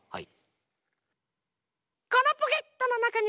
はい。